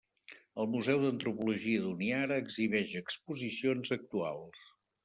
El Museu d'Antropologia d'Honiara exhibeix exposicions actuals.